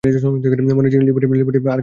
মনে হচ্ছে লিভারটির আর কাজ করার ইচ্ছাও নেই।